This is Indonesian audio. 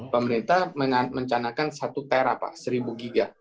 pemerintah mencanakan satu tera seribu giga